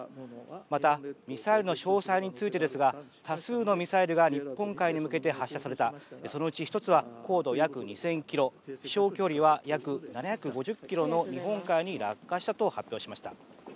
またミサイルの詳細についてですが多数のミサイルが日本海に向けて発射されたそのうち１つは高度約２０００ｋｍ飛翔距離は約７５０ｋｍの日本海に落下したと発表しました。